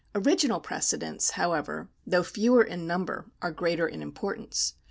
Original precedents, how ever, though fewer in number, are greater in importance.